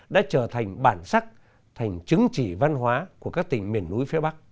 đã trở thành bản sắc thành chứng chỉ văn hóa của các tỉnh miền núi